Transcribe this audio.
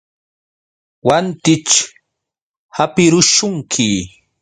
Wantićh hapirushunki.